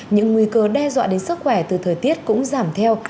những nguy cơ đe dọa đến sức khỏe từ thời tiết cũng giảm theo